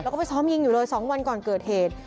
แล้วก็ไปซ้อมยิงอยู่เลย๒วันก่อนเกิดเหตุ